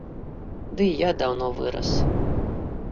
Ды і я даўно вырас.